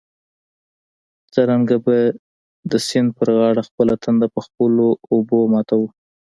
څرنګه به د سیند پر غاړه خپله تنده په خپلو اوبو ماتوو.